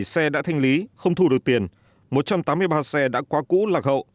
bảy xe đã thanh lý không thu được tiền một trăm tám mươi ba xe đã quá cũ lạc hậu